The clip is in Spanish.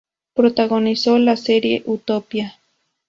Protagonizó la serie Utopia.